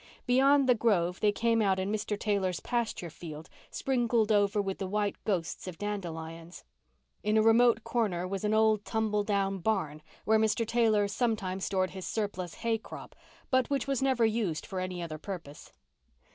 Beyond the grove they came out in Mr. Taylor's pasture field, sprinkled over with the white ghosts of dandelions; in a remote corner was an old tumbledown barn, where Mr. Taylor sometimes stored his surplus hay crop but which was never used for any other purpose.